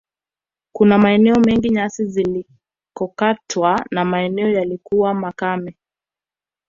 Kuna maeneo mengi nyasi zilikokatwa na maeneo yaliyo makame